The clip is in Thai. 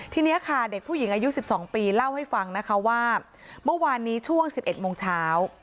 ทีนี้ค่ะเด็กผู้หญิงอายุ๑๒ปีเล่าให้ฟังนะคะว่าเมื่อวานนี้ช่วง๑๑โมงเช้า